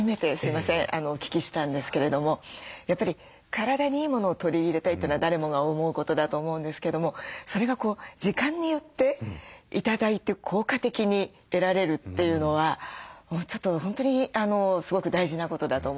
お聞きしたんですけれどもやっぱり体にいいものを取り入れたいというのは誰もが思うことだと思うんですけどもそれが時間によって頂いて効果的に得られるというのはちょっと本当にすごく大事なことだと思って。